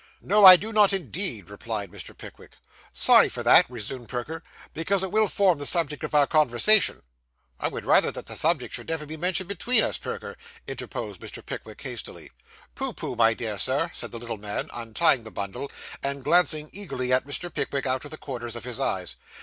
'No, I do not indeed,' replied Mr. Pickwick. 'Sorry for that,' resumed Perker, 'because it will form the subject of our conversation.' 'I would rather that the subject should be never mentioned between us, Perker,' interposed Mr. Pickwick hastily. 'Pooh, pooh, my dear Sir,' said the little man, untying the bundle, and glancing eagerly at Mr. Pickwick out of the corners of his eyes.